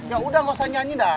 yaudah gak usah nyanyi dah